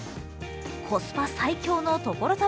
コスパ最強の所沢。